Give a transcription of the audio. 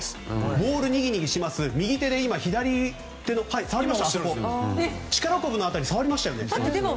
ボールをにぎにぎします右手で左手の力こぶの辺りを触りました。